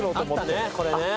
これね！